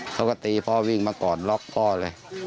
เขาก็ตีพ่อวิ่งมาก่อนล็อกพ่อเลย